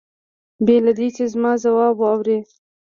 بې له دې چې زما ځواب واوري.